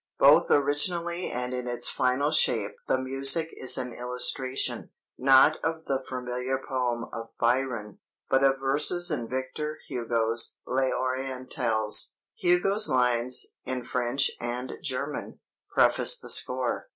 Both originally and in its final shape the music is an illustration, not of the familiar poem of Byron, but of verses in Victor Hugo's Les Orientales. Hugo's lines, in French and German, preface the score.